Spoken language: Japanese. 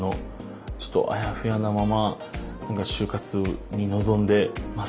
ちょっとあやふやなまま就活に臨んでました。